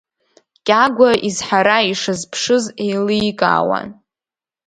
Кьагәа изҳара ишазԥшыз еиликаауан.